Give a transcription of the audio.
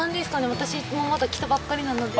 私もまだ来たばっかりなので。